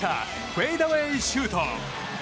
フェイダウェイシュート。